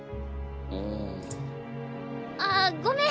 うん。ああごめん！